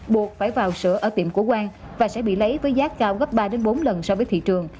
buộc phải vào sữa ở tiệm của quang và sẽ bị lấy với giá cao gấp ba bốn lần so với thị trường